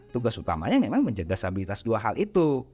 tugas utamanya memang menjaga stabilitas dua hal itu